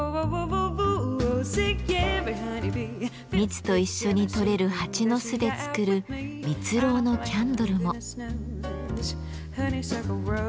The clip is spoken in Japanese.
蜜と一緒に採れる蜂の巣で作る蜜ろうのキャンドルも。